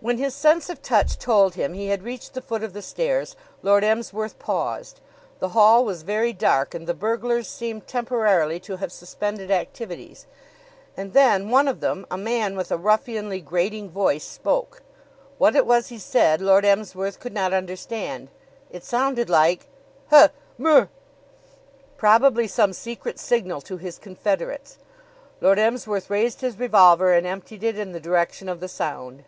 When his sense of touch told him he had reached the foot of the stairs, Lord Emsworth paused. The hall was very dark and the burglars seemed temporarily to have suspended activities. And then one of them, a man with a ruffianly, grating voice, spoke. What it was he said Lord Emsworth could not understand. It sounded like "Heh! Mer!" probably some secret signal to his confederates. Lord Emsworth raised his revolver and emptied it in the direction of the sound.